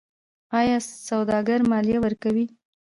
آیا سوداګر مالیه ورکوي؟